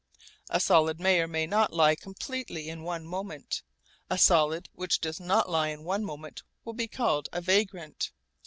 A solid may or may not lie completely in one moment. A solid which does not lie in one moment will be called 'vagrant.'